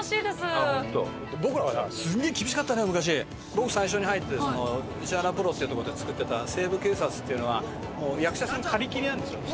僕最初に入って石原プロっていうとこで作ってた『西部警察』っていうのは役者さん借り切りなんですよ。